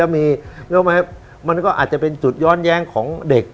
แล้วมันก็อาจจะเป็นจุดย้อนแย้งของเด็ก